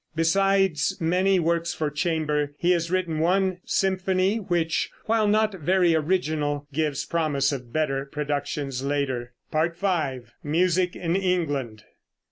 Besides many works for chamber, he has written one symphony, which while not very original gives promise of better productions later. V. MUSIC IN ENGLAND.